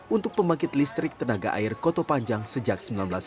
untuk pembangkit listrik tenaga air koto panjang sejak seribu sembilan ratus sembilan puluh